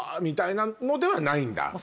みたいなのではないんだ。